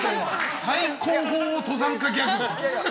最高峰登山家ギャグ！